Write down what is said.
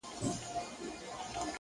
o بيا دادی پخلا سوه ـچي ستا سومه ـ